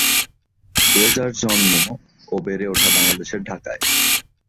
রেজার জন্ম ও বেড়ে উঠা বাংলাদেশের ঢাকায়।